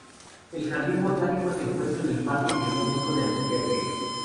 El jardín botánico se encuentra en el Parque Biológico de Albuquerque.